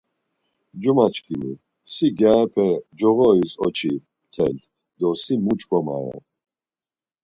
Cumaçkimi, si gyarepe coğoris oçi mtel do si mu ç̌ǩomare!